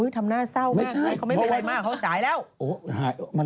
ทำหน้าเศร้ามากเลยเขาไม่เป็นไรมากเขาตายแล้วไม่ใช่